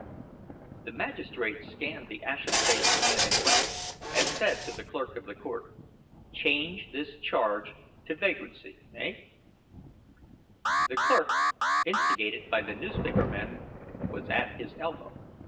The magistrate scanned the ashen faced man in rags, and said to the clerk of the court: "Change this charge to vagrancy eh " The clerk, instigated by the newspaper men, was at his elbow.